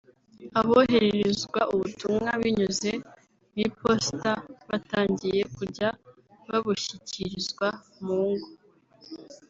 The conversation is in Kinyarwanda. abohererezwa ubutumwa binyuze mu iposita batangiye kujya babushyikirizwa mu ngo